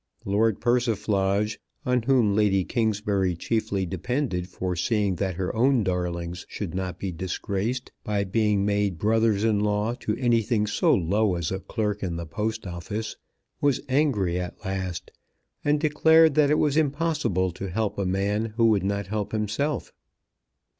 Lord Persiflage, on whom Lady Kingsbury chiefly depended for seeing that her own darlings should not be disgraced by being made brothers in law to anything so low as a clerk in the Post Office, was angry at last, and declared that it was impossible to help a man who would not help himself.